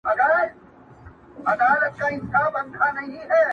کرنه دودیزه علم دی.